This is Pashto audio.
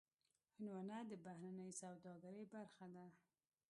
هندوانه د بهرنۍ سوداګرۍ برخه ده.